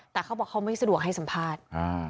แต่เขาบอกเขาไม่สะดวกให้สัมภาษณ์